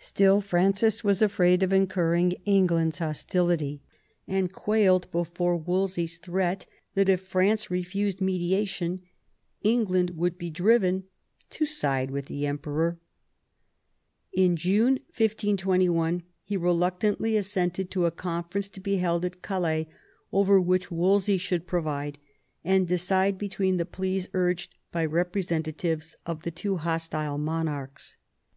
Still Francis was afraid of incurring V THE CONFERENCE OF CALAIS 73 England's hostility, and quailed before Wolsey's threat that if France refused mediation, England would be driven to side with the Emperor. In June 1521 he reluctantly assented to a conference to be held at Calais, over which Wolsey should preside, and decide between the pleas urged by representatives of the two hostile monarchs.